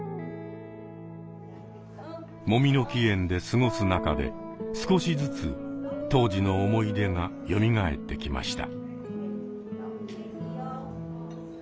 もみの木苑で過ごす中で少しずつ当時の思い出がよみがえってきました。